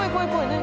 何？